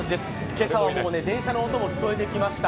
今朝は電車の音も聞こえてきました